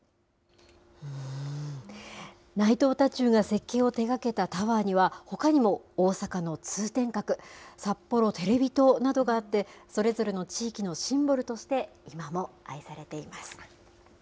内藤多仲が設計を手がけたタワーには、ほかにも大阪の通天閣、さっぽろテレビ塔などがあって、それぞれの地域のシンボルとして、今も愛されています。